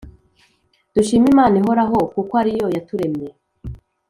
Dushime imana ihoraho kukwariyo yaturemye